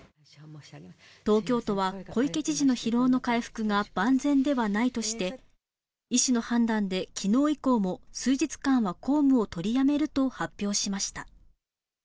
東京都は、小池知事の疲労の回復が万全ではないとして、医師の判断で、きのう以降も数日間は公務を取りやめると発表しました。